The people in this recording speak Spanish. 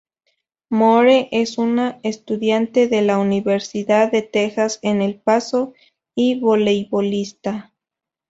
Moore es una estudiante de la Universidad de Texas en El Paso y voleibolista.